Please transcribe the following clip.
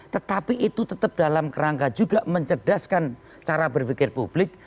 tetapi itu tetap dalam kerangka juga mencerdaskan cara berpikir publik